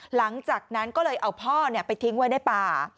หลังจากนั้นก็เลยเอาพ่อไปทิ้งไว้ในป่า